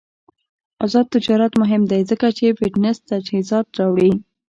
آزاد تجارت مهم دی ځکه چې فټنس تجهیزات راوړي.